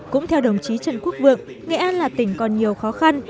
cũng theo đồng chí trần quốc vượng nghệ an là tỉnh còn nhiều khó khăn